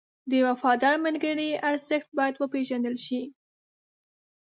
د وفادار ملګري ارزښت باید وپېژندل شي.